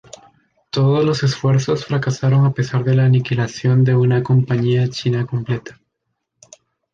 Todos los esfuerzos fracasaron a pesar de la aniquilación de una compañía china completa.